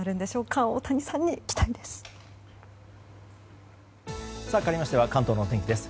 かわりまして関東のお天気です。